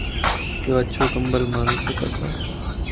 يو اڇو ڪمبل مانک تو کپا